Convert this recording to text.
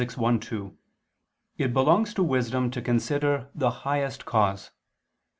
i: 2), it belongs to wisdom to consider the highest cause.